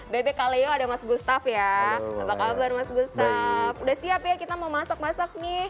bebek kaleo ada mas gustaf ya apa kabar mas gustaf udah siap ya kita mau masak masak nih